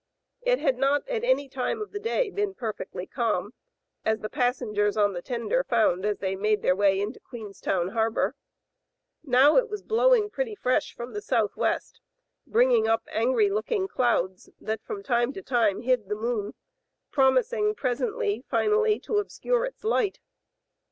It had not at any time of the day been perfectly calm, as the passengers on the tender found as they made their way into Queenstown Harbor. Now it was blowing pretty fresh from the southwest, bringing up angry looking clouds that from time to time hid the moon, promising presently finally to obscure its light.